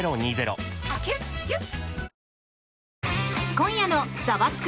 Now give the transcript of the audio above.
今夜の「ザワつく！